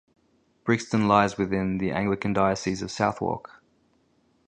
Brixton lies within the Anglican Diocese of Southwark.